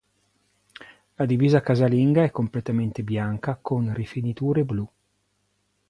La divisa casalinga è completamente bianca con rifiniture blu.